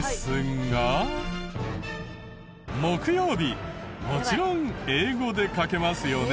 木曜日もちろん英語で書けますよね。